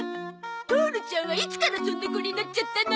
トオルちゃんはいつからそんな子になっちゃったの？